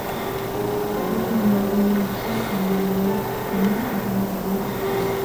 بۇ دۇنيادىن ياخشى ئادەملەرمۇ، يامان ئادەملەرمۇ ئۆتتى.